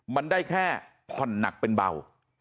มันได้แค่ผ่อนหนักเป็นเบา